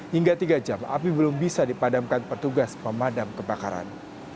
hingga tiga jam api belum bisa dipadamkan petugas pemadam kebakaran